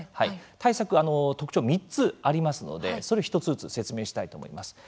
対策、特徴３つありますのでそれを１つずつ説明したいと思います。